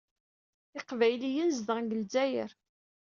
Iqbayliyen zedɣen deg Lezzayer.